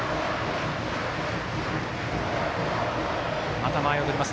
また間合いを取ります。